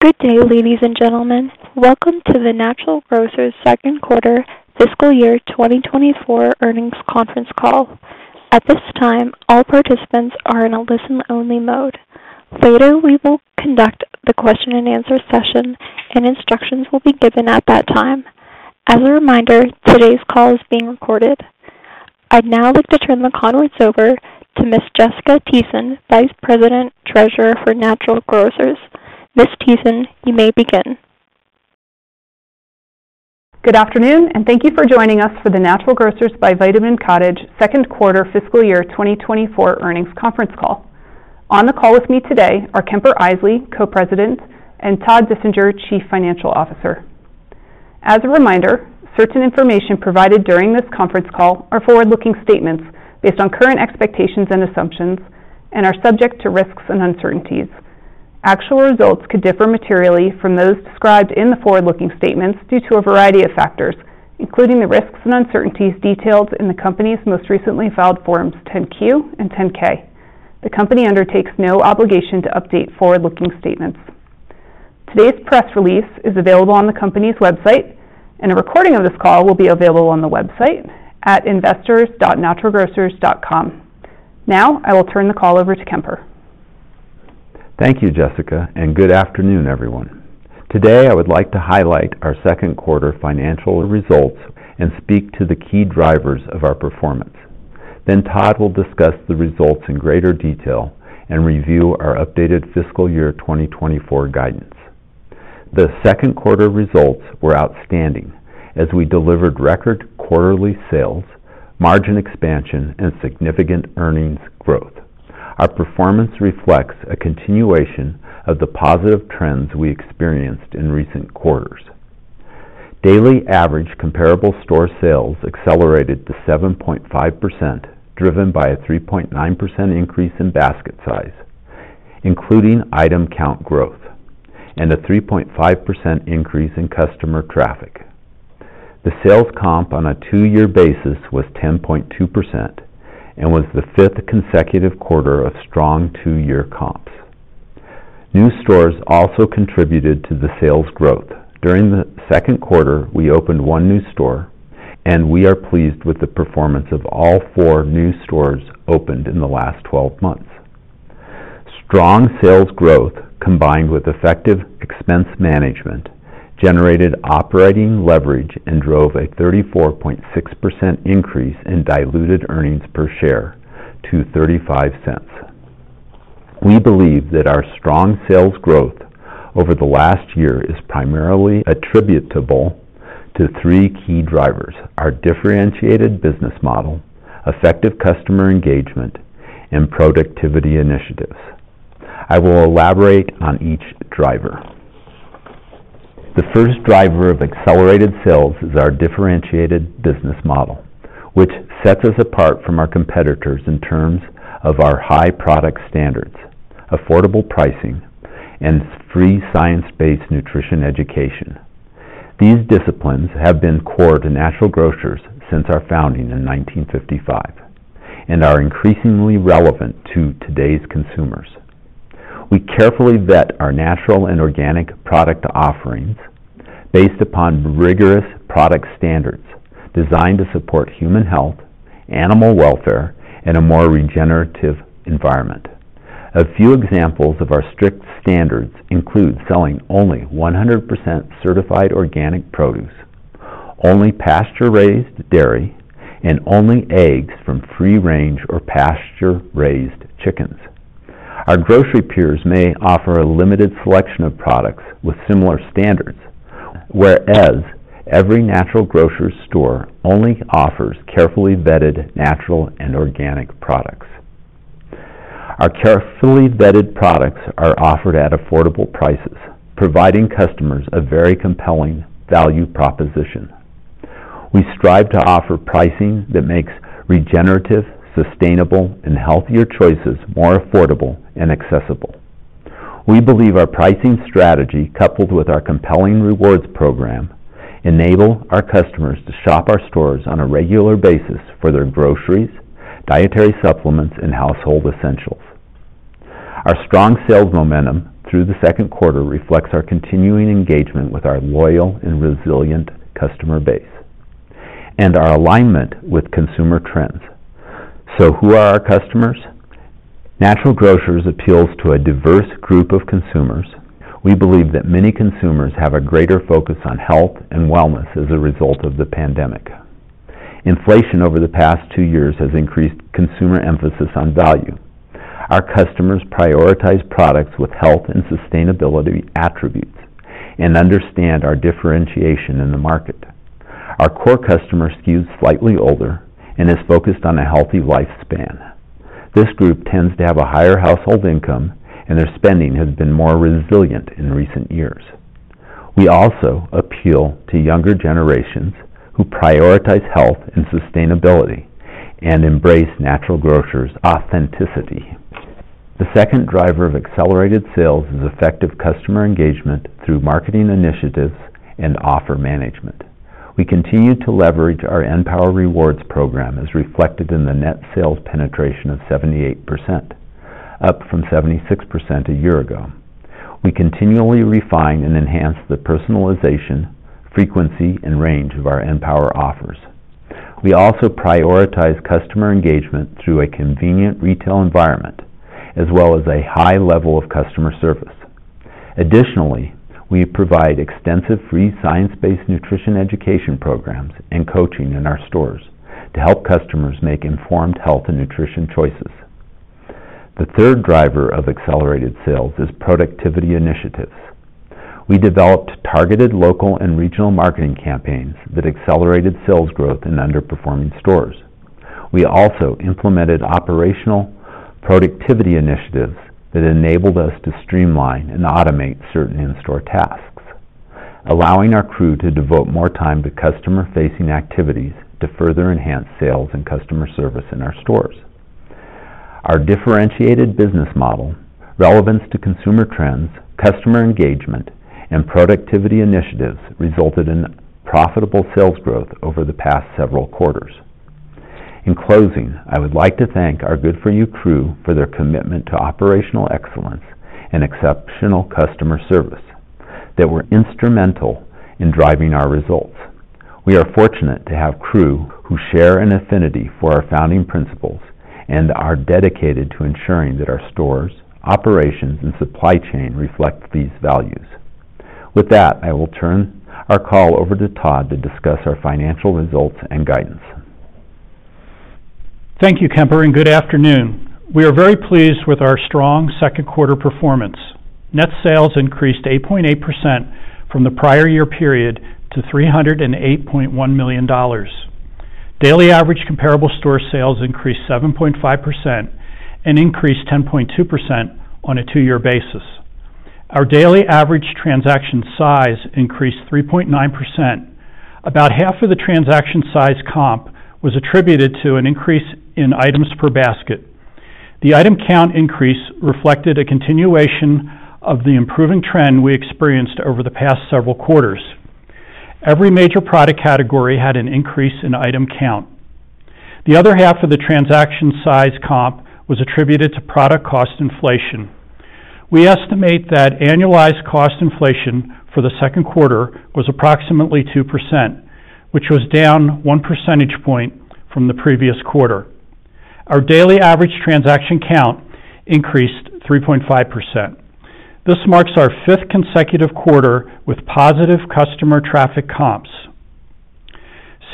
Good day, ladies and gentlemen. Welcome to the Natural Grocers second quarter fiscal year 2024 earnings conference call. At this time, all participants are in a listen-only mode. Later, we will conduct the question-and-answer session, and instructions will be given at that time. As a reminder, today's call is being recorded. I'd now like to turn the conference over to Ms. Jessica Thiessen, Vice President Treasurer for Natural Grocers. Ms. Thiessen, you may begin. Good afternoon and thank you for joining us for the Natural Grocers by Vitamin Cottage second quarter fiscal year 2024 earnings conference call. On the call with me today are Kemper Isely, Co-President, and Todd Dissinger, Chief Financial Officer. As a reminder, certain information provided during this conference call are forward-looking statements based on current expectations and assumptions and are subject to risks and uncertainties. Actual results could differ materially from those described in the forward-looking statements due to a variety of factors, including the risks and uncertainties detailed in the company's most recently filed Forms 10-Q and 10-K. The company undertakes no obligation to update forward-looking statements. Today's press release is available on the company's website, and a recording of this call will be available on the website at investors.naturalgrocers.com. Now I will turn the call over to Kemper. Thank you, Jessica, and good afternoon, everyone. Today I would like to highlight our second quarter financial results and speak to the key drivers of our performance. Then Todd will discuss the results in greater detail and review our updated fiscal year 2024 guidance. The second quarter results were outstanding as we delivered record quarterly sales, margin expansion, and significant earnings growth. Our performance reflects a continuation of the positive trends we experienced in recent quarters. Daily average comparable store sales accelerated to 7.5% driven by a 3.9% increase in basket size, including item count growth, and a 3.5% increase in customer traffic. The sales comp on a two-year basis was 10.2% and was the fifth consecutive quarter of strong two-year comps. New stores also contributed to the sales growth. During the second quarter, we opened one new store, and we are pleased with the performance of all four new stores opened in the last 12 months. Strong sales growth, combined with effective expense management, generated operating leverage and drove a 34.6% increase in diluted earnings per share to $0.35. We believe that our strong sales growth over the last year is primarily attributable to three key drivers: our differentiated business model, effective customer engagement, and productivity initiatives. I will elaborate on each driver. The first driver of accelerated sales is our differentiated business model, which sets us apart from our competitors in terms of our high product standards, affordable pricing, and free science-based nutrition education. These disciplines have been core to Natural Grocers since our founding in 1955 and are increasingly relevant to today's consumers. We carefully vet our natural and organic product offerings based upon rigorous product standards designed to support human health, animal welfare, and a more regenerative environment. A few examples of our strict standards include selling only 100% certified organic produce, only pasture-raised dairy, and only eggs from free-range or pasture-raised chickens. Our grocery peers may offer a limited selection of products with similar standards, whereas every Natural Grocers store only offers carefully vetted natural and organic products. Our carefully vetted products are offered at affordable prices, providing customers a very compelling value proposition. We strive to offer pricing that makes regenerative, sustainable, and healthier choices more affordable and accessible. We believe our pricing strategy, coupled with our compelling rewards program, enable our customers to shop our stores on a regular basis for their groceries, dietary supplements, and household essentials. Our strong sales momentum through the second quarter reflects our continuing engagement with our loyal and resilient customer base and our alignment with consumer trends. So who are our customers? Natural Grocers appeals to a diverse group of consumers. We believe that many consumers have a greater focus on health and wellness as a result of the pandemic. Inflation over the past two years has increased consumer emphasis on value. Our customers prioritize products with health and sustainability attributes and understand our differentiation in the market. Our core customer skews slightly older and is focused on a healthy lifespan. This group tends to have a higher household income, and their spending has been more resilient in recent years. We also appeal to younger generations who prioritize health and sustainability and embrace Natural Grocers' authenticity. The second driver of accelerated sales is effective customer engagement through marketing initiatives and offer management. We continue to leverage our {N}power rewards program, as reflected in the net sales penetration of 78%, up from 76% a year ago. We continually refine and enhance the personalization, frequency, and range of our {N}power offers. We also prioritize customer engagement through a convenient retail environment as well as a high level of customer service. Additionally, we provide extensive free science-based nutrition education programs and coaching in our stores to help customers make informed health and nutrition choices. The third driver of accelerated sales is productivity initiatives. We developed targeted local and regional marketing campaigns that accelerated sales growth in underperforming stores. We also implemented operational productivity initiatives that enabled us to streamline and automate certain in-store tasks, allowing our crew to devote more time to customer-facing activities to further enhance sales and customer service in our stores. Our differentiated business model, relevance to consumer trends, customer engagement, and productivity initiatives resulted in profitable sales growth over the past several quarters. In closing, I would like to thank our Good4u crew for their commitment to operational excellence and exceptional customer service that were instrumental in driving our results. We are fortunate to have crew who share an affinity for our founding principles and are dedicated to ensuring that our stores, operations, and supply chain reflect these values. With that, I will turn our call over to Todd to discuss our financial results and guidance. Thank you, Kemper, and good afternoon. We are very pleased with our strong second quarter performance. Net sales increased 8.8% from the prior year period to $308.1 million. Daily average comparable store sales increased 7.5% and increased 10.2% on a two-year basis. Our daily average transaction size increased 3.9%. About half of the transaction size comp was attributed to an increase in items per basket. The item count increase reflected a continuation of the improving trend we experienced over the past several quarters. Every major product category had an increase in item count. The other half of the transaction size comp was attributed to product cost inflation. We estimate that annualized cost inflation for the second quarter was approximately 2%, which was down one percentage point from the previous quarter. Our daily average transaction count increased 3.5%. This marks our fifth consecutive quarter with positive customer traffic comps.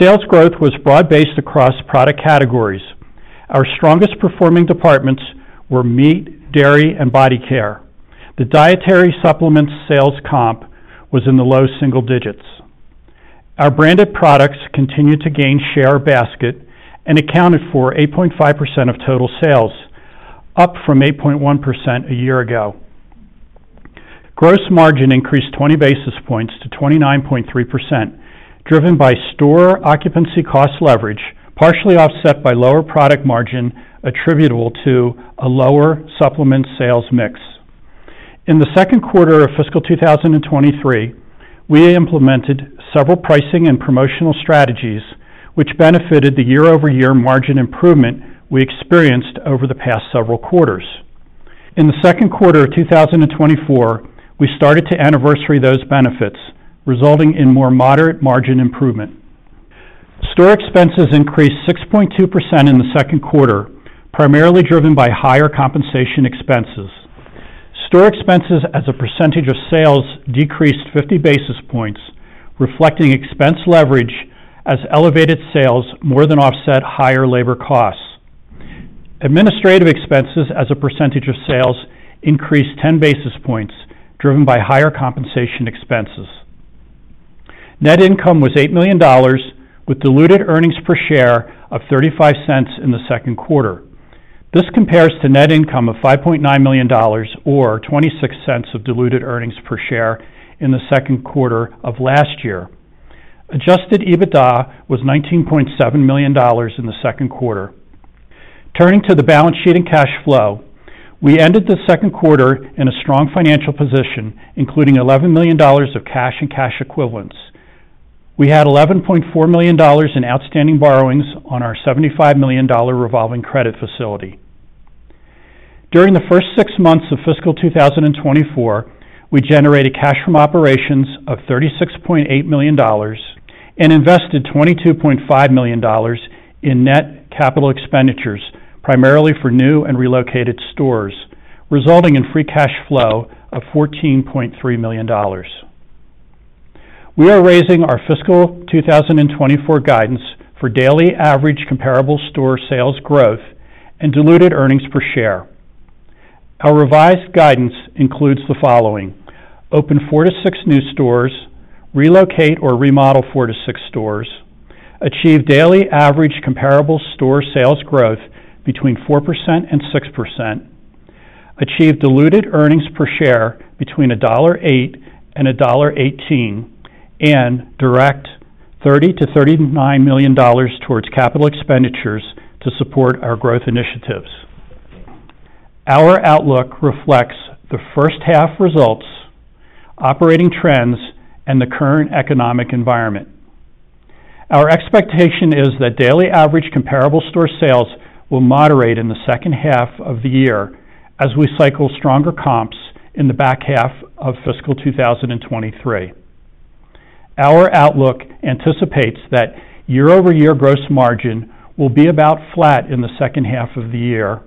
Sales growth was broad-based across product categories. Our strongest performing departments were meat, dairy, and body care. The dietary supplements sales comp was in the low single digits. Our branded products continued to gain share of basket and accounted for 8.5% of total sales, up from 8.1% a year ago. Gross margin increased 20 basis points to 29.3%, driven by store occupancy cost leverage, partially offset by lower product margin attributable to a lower supplement sales mix. In the second quarter of fiscal 2023, we implemented several pricing and promotional strategies, which benefited the year-over-year margin improvement we experienced over the past several quarters. In the second quarter of 2024, we started to anniversary those benefits, resulting in more moderate margin improvement. Store expenses increased 6.2% in the second quarter, primarily driven by higher compensation expenses. Store expenses as a percentage of sales decreased 50 basis points, reflecting expense leverage as elevated sales more than offset higher labor costs. Administrative expenses as a percentage of sales increased 10 basis points, driven by higher compensation expenses. Net income was $8 million, with diluted earnings per share of $0.35 in the second quarter. This compares to net income of $5.9 million or $0.26 of diluted earnings per share in the second quarter of last year. Adjusted EBITDA was $19.7 million in the second quarter. Turning to the balance sheet and cash flow, we ended the second quarter in a strong financial position, including $11 million of cash and cash equivalents. We had $11.4 million in outstanding borrowings on our $75 million revolving credit facility. During the first six months of fiscal 2024, we generated cash from operations of $36.8 million and invested $22.5 million in net capital expenditures, primarily for new and relocated stores, resulting in free cash flow of $14.3 million. We are raising our fiscal 2024 guidance for daily average comparable store sales growth and diluted earnings per share. Our revised guidance includes the following: open 4-6 new stores; relocate or remodel 4-6 stores; achieve daily average comparable store sales growth between 4% and 6%; achieve diluted earnings per share between $1.08 and $1.18; and direct $30 million-$39 million towards capital expenditures to support our growth initiatives. Our outlook reflects the first half results, operating trends, and the current economic environment. Our expectation is that daily average comparable store sales will moderate in the second half of the year as we cycle stronger comps in the back half of fiscal 2023. Our outlook anticipates that year-over-year gross margin will be about flat in the second half of the year,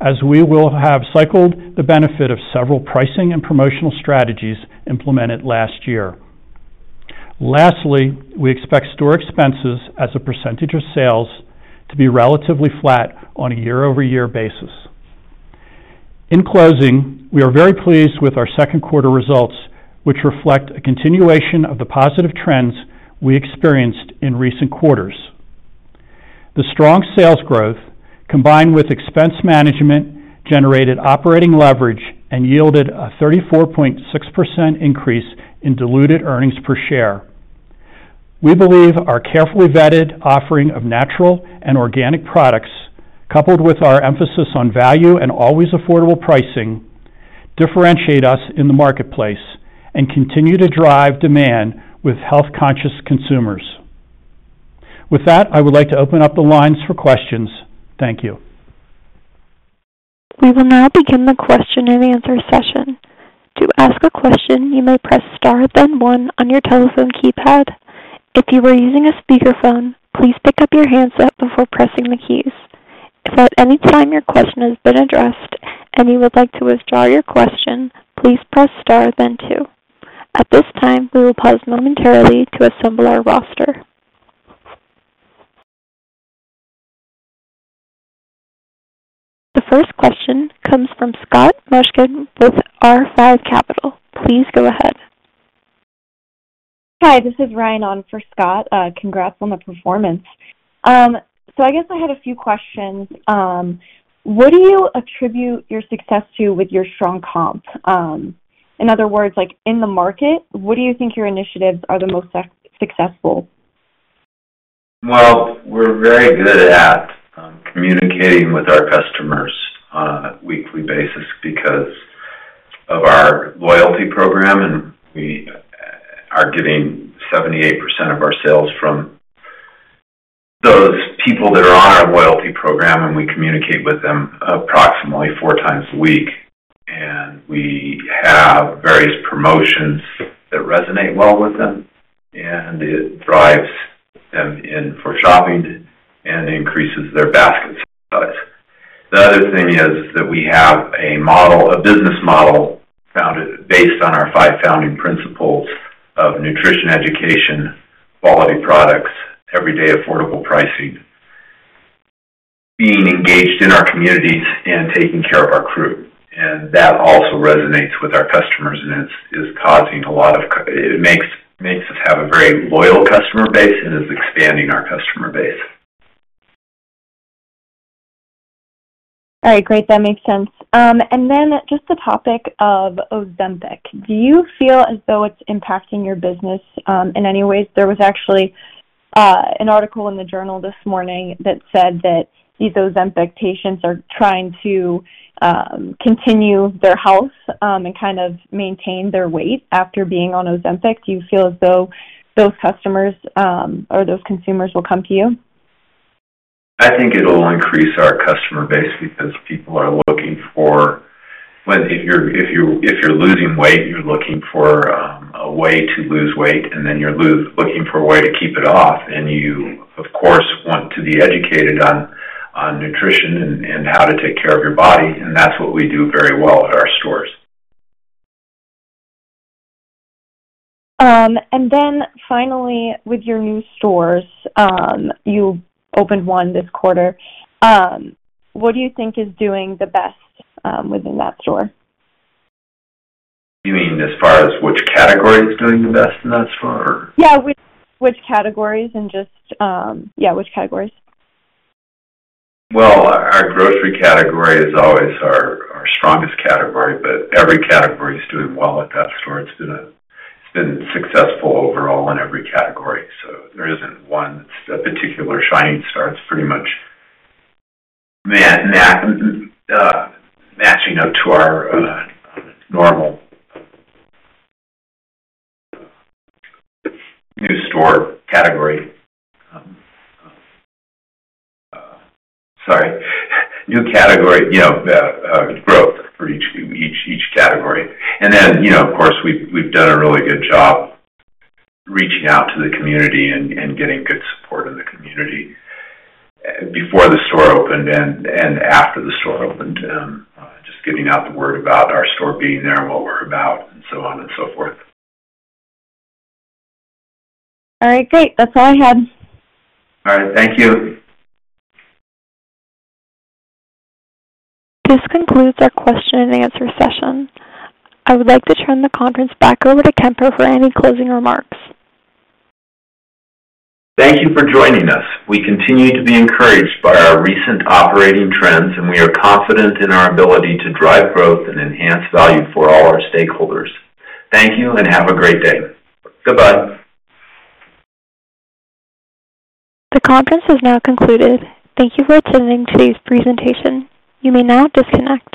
as we will have cycled the benefit of several pricing and promotional strategies implemented last year. Lastly, we expect store expenses as a percentage of sales to be relatively flat on a year-over-year basis. In closing, we are very pleased with our second quarter results, which reflect a continuation of the positive trends we experienced in recent quarters. The strong sales growth, combined with expense management, generated operating leverage and yielded a 34.6% increase in diluted earnings per share. We believe our carefully vetted offering of natural and organic products, coupled with our emphasis on value and always affordable pricing, differentiate us in the marketplace and continue to drive demand with health-conscious consumers. With that, I would like to open up the lines for questions. Thank you. We will now begin the question-and-answer session. To ask a question, you may press * then 1 on your telephone keypad. If you are using a speakerphone, please pick up your handset before pressing the keys. If at any time your question has been addressed and you would like to withdraw your question, please press * then 2. At this time, we will pause momentarily to assemble our roster. The first question comes from Scott Mushkin with R5 Capital. Please go ahead. Hi, this is Ryan on for Scott. Congrats on the performance. I guess I had a few questions. What do you attribute your success to with your strong comp? In other words, in the market, what do you think your initiatives are the most successful? Well, we're very good at communicating with our customers on a weekly basis because of our loyalty program, and we are getting 78% of our sales from those people that are on our loyalty program, and we communicate with them approximately four times a week. We have various promotions that resonate well with them, and it drives them in for shopping and increases their basket size. The other thing is that we have a business model based on our five founding principles of nutrition education, quality products, everyday affordable pricing, being engaged in our communities, and taking care of our crew. That also resonates with our customers and is causing a lot of it makes us have a very loyal customer base and is expanding our customer base. All right. Great. That makes sense. And then just the topic of Ozempic. Do you feel as though it's impacting your business in any ways? There was actually an article in the Journal this morning that said that these Ozempic patients are trying to continue their health and kind of maintain their weight after being on Ozempic. Do you feel as though those customers or those consumers will come to you? I think it'll increase our customer base because people are looking for if you're losing weight, you're looking for a way to lose weight, and then you're looking for a way to keep it off. You, of course, want to be educated on nutrition and how to take care of your body. That's what we do very well at our stores. And then finally, with your new stores - you opened 1 this quarter - what do you think is doing the best within that store? You mean as far as which category is doing the best in that store, or? Yeah. Which categories, and just yeah, which categories? Well, our grocery category is always our strongest category, but every category is doing well at that store. It's been successful overall in every category. So there isn't one that's a particular shining star. It's pretty much matching up to our normal new store category sorry, new category growth for each category. And then, of course, we've done a really good job reaching out to the community and getting good support in the community before the store opened and after the store opened, just getting out the word about our store being there and what we're about and so on and so forth. All right. Great. That's all I had. All right. Thank you. This concludes our question-and-answer session. I would like to turn the conference back over to Kemper for any closing remarks. Thank you for joining us. We continue to be encouraged by our recent operating trends, and we are confident in our ability to drive growth and enhance value for all our stakeholders. Thank you and have a great day. Goodbye. The conference has now concluded. Thank you for attending today's presentation. You may now disconnect.